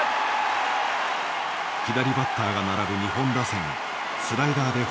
左バッターが並ぶ日本打線をスライダーで翻弄。